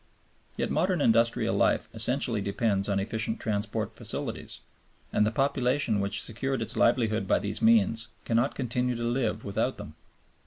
Yet modern industrial life essentially depends on efficient transport facilities, and the population which secured its livelihood by these means cannot continue to live without them.